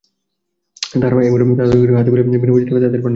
তাঁহারা একবার তাঁহাদিগকে হাতে পাইলে বিনা বিচারে তাঁহাদের প্রাণনাশ করিতেন।